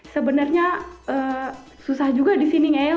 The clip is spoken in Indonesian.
sebenarnya susah juga di sini ngeel